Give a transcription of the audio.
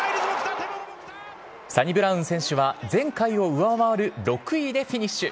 サニブラウン選手は、前回を上回る６位でフィニッシュ。